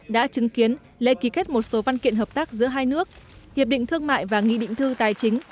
đã chứng kiến lễ ký kết một số văn kiện hợp tác giữa hai nước hiệp định thương mại và nghị định thư tài chính